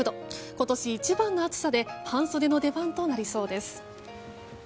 今年一番の暑さで半袖の出番となりそうです。